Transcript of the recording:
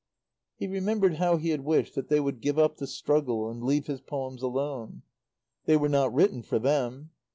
He remembered how he had wished that they would give up the struggle and leave his poems alone. They were not written for them.